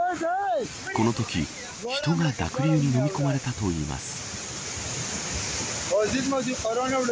このとき、人が濁流にのみ込まれたといいます。